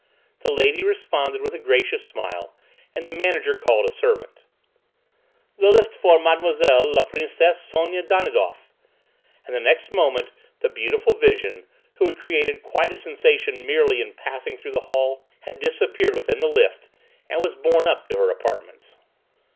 The lady responded with a gracious smile, and the manager called a servant. "The lift for Mme. la Princesse Sonia Danidoff," and the next moment the beautiful vision, who had created quite a sensation merely in passing through the hall, had disappeared within the lift and was borne up to her apartments.